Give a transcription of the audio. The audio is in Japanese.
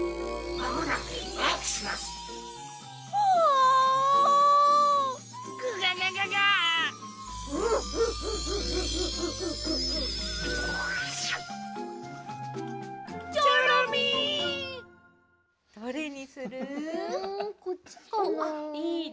あっいいね。